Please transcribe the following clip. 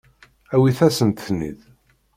Awit-asent-ten-id.